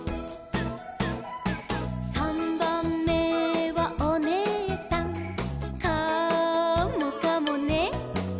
「さんばんめはおねえさん」「カモかもね」